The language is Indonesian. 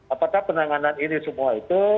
apakah penanganan ini semua itu